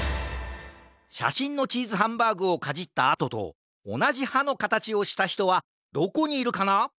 しゃしんのチーズハンバーグをかじったあととおなじはのかたちをしたひとはどこにいるかな？